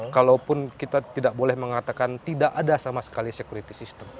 kalaupun kita tidak boleh mengatakan tidak ada sama sekali sekuriti sistem